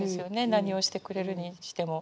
何をしてくれるにしても。